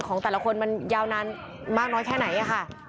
ของแต่ละคนมันยาวนานมากน้อยแค่ไหนค่ะ